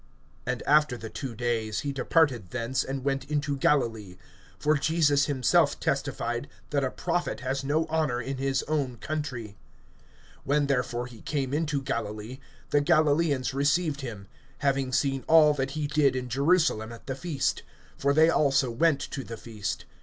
(43)And after the two days he departed thence, and went into Galilee. (44)For Jesus himself testified, that a prophet has no honor in his own country. (45)When therefore he came into Galilee, the Galilaeans received him, having seen all that he did in Jerusalem at the feast; for they also went to the feast.